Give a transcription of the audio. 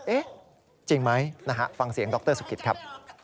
เอ๊ะจริงไหมนะฮะฟังเสียงดรสุกิตครับ